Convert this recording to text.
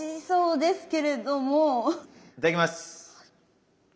いただきます。